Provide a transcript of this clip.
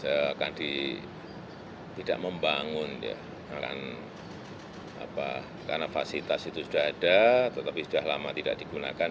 saya akan tidak membangun karena fasilitas itu sudah ada tetapi sudah lama tidak digunakan